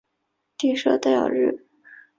蒂绍代尔日。